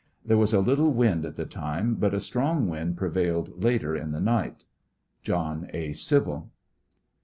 There was a little wind at the time, but a strong wind "prevailed later in the night. JOHN A. CIVIL.